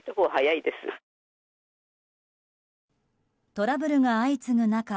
トラブルが相次ぐ中